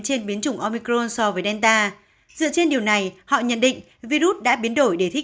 trên biến chủng omicron so với delta dựa trên điều này họ nhận định virus đã biến đổi để thích